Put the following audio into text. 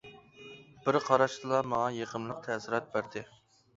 بىر قاراشتىلا ماڭا يېقىملىق تەسىرات بەردى.